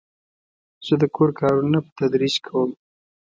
زه د کور کارونه په تدریج کوم.